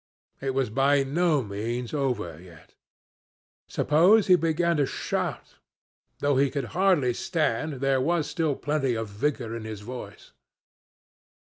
It was by no means over yet. Suppose he began to shout? Though he could hardly stand, there was still plenty of vigor in his voice.